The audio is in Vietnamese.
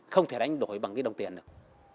không thể đánh đổi bằng cái đồng tiền được